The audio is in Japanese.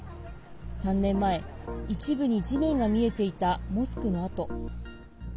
３年前、一部に地面が見えていたモスクの跡。